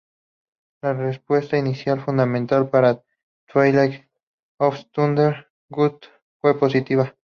La respuesta inicial fundamental para "Twilight of the Thunder God"fue positiva.